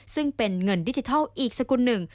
ซึ่งเป็นเงินดิจิทัลอีกสกุลหนึ่ง